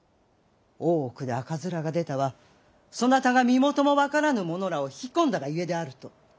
大奥で赤面が出たはそなたが身元も分からぬ者らを引き込んだがゆえであると！